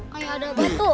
kayak ada batu